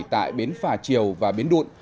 tại bến phà triều và bến đụn